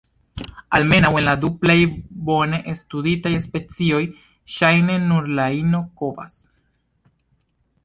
Almenaŭ en la du plej bone studitaj specioj, ŝajne nur la ino kovas.